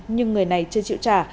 nhưng người này chưa chịu trả